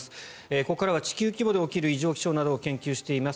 ここからは地球規模で起きる異常気象などを研究しています